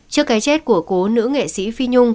trước cái chết của cố nữ nghệ sĩ phi nhung